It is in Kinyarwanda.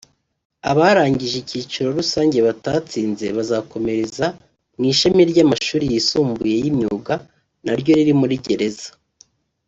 Abarangije icyiciro rusange batatsinze bazakomereza mu ishami ry’amashuri yisumbuye y’imyuga na ryo riri muri gereza